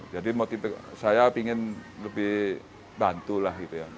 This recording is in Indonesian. jadi saya ingin lebih bantu lah